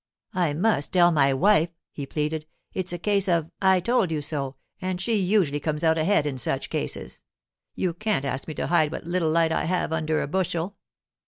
'I must tell my wife,' he pleaded. 'It's a case of "I told you so," and she usually comes out ahead in such cases. You can't ask me to hide what little light I have under a bushel.